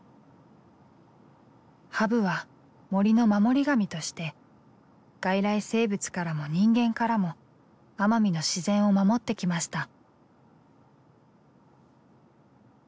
ハブは森の守り神として外来生物からも人間からも奄美の自然を守ってきました。